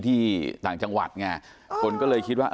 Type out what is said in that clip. ต่างจังหวัดไงคนก็เลยคิดว่า